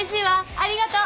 ありがとう。